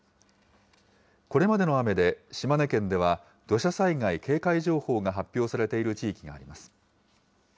これまでの雨で、島根県では土砂災害警戒情報が発表されている地域があります。